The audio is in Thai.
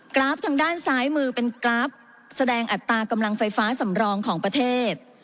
ราฟทางด้านซ้ายมือเป็นกราฟแสดงอัตรากำลังไฟฟ้าสำรองของประเทศ